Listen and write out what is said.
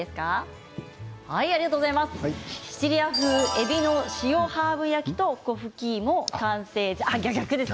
シチリア風えびの塩ハーブ焼きと粉ふきいも完成です。